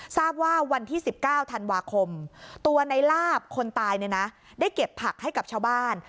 ทราบว่าวันที่๑๙ธันวาคมตัวในลาบคนตายเนี่ยนะได้เก็บผักให้กับชาวบ้าน